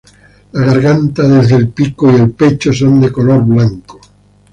La garganta desde el pico y el pecho son de color blanco.